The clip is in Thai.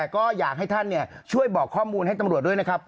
ก็อยากให้ท่านช่วยบอกข้อมูลให้ตำรวจด้วยนะครับ